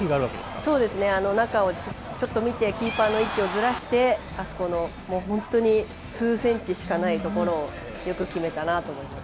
中を見てキーパーの位置をずらして数センチしかないところをよく決めたなと思います。